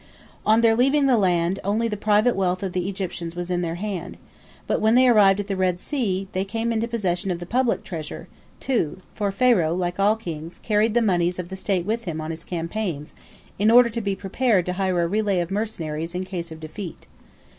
On their leaving the land only the private wealth of the Egyptians was in their hands, but when they arrived at the Red Sea they came into possession of the public treasure, too, for Pharaoh, like all kings, carried the moneys of the state with him on his campaigns, in order to be prepared to hire a relay of mercenaries in case of defeat.